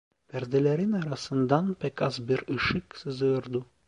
Perdelerin arasından pek az bir ışık sızıyordu.